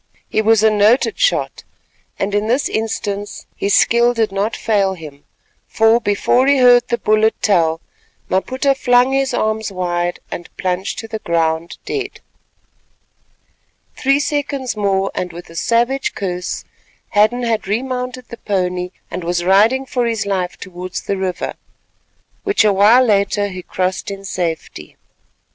He was a noted shot, and in this instance his skill did not fail him; for, before he heard the bullet tell, Maputa flung his arms wide and plunged to the ground dead. Three seconds more, and with a savage curse, Hadden had remounted the pony and was riding for his life towards the river, which a while later he crossed in safety.